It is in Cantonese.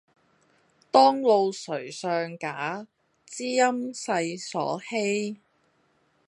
當路誰相假，知音世所稀。